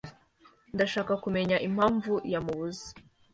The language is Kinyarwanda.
Ndashaka kumenya impamvu yamubuze.